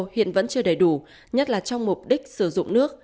hiện vẫn chưa đầy đủ nhất là trong mục đích sử dụng nước